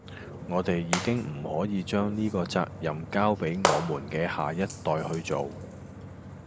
我地已經唔可以將呢個責任交俾我們既下一代去做